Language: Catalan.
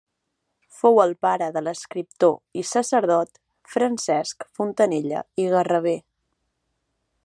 Fou el pare de l'escriptor i sacerdot Francesc Fontanella i Garraver.